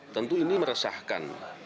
tentu ini meresahkan